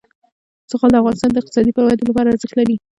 زغال د افغانستان د اقتصادي ودې لپاره ارزښت لري.